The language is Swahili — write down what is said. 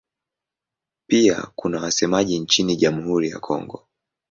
Pia kuna wasemaji nchini Jamhuri ya Kongo.